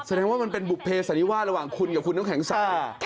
แสดงว่ามันเป็นบุภเสันนิวาสระหว่างคุณกับคุณน้ำแข็งสา